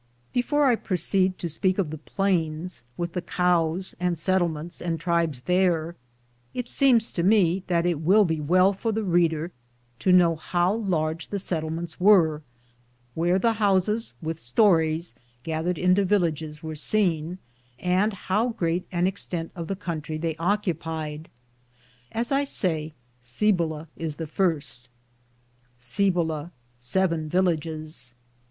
Before I proceed to speak of the plains, with the cows and settlements and tribes, there, it seems to me that it will be well for the reader to know how large the settlements were, where the houses with stories, gath ered into villages, were seen, and how great an extent of country they occupied. 1 As I say, Cibola is the first: Cibola, seven villages.